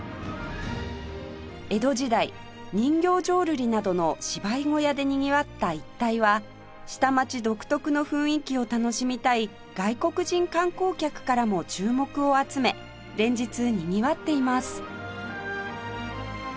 江戸時代人形浄瑠璃などの芝居小屋でにぎわった一帯は下町独特の雰囲気を楽しみたい外国人観光客からも注目を集め連日にぎわっています